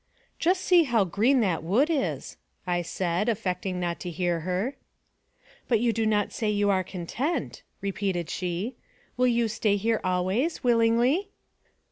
"Just see how green that wood is," I said, affecting not to hear her. " But you do not say you are content," repeated she. " Will you stay here always, willingly